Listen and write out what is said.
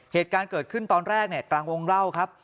เหตุการณ์เกิดขึ้นตอนแรกเนี่ยกลางวงเล่าครับ